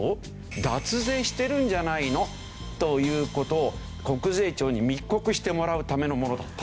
脱税してるんじゃないの？」という事を国税庁に密告してもらうためのものだった。